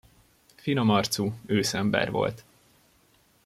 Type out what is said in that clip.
Finom arcú, ősz ember volt.